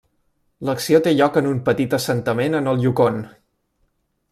L'acció té lloc en un petit assentament en el Yukon.